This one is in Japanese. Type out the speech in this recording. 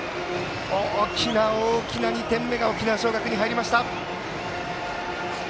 大きな大きな２点目が沖縄尚学に入りました！